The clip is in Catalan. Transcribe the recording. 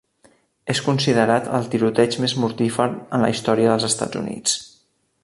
És considerat el tiroteig més mortífer en la història dels Estats Units.